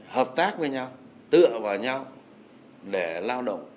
hợp tác với nhau tựa vào nhau để lao động